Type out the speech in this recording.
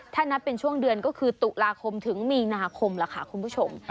ถ้านับเป็นช่วงเดือนก็คือตุลาคมถึงมีนาคมล่ะค่ะคุณผู้ชม